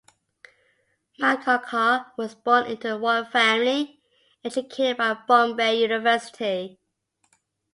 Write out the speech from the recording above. Malgonkar was born into a royal family, and educated at Bombay University.